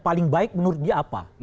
paling baik menurut dia apa